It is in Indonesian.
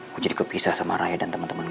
gue jadi kepisah sama raya dan temen temen gue